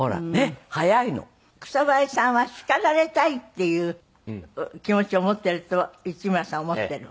草笛さんは叱られたいっていう気持ちを持ってると市村さん思ってるの？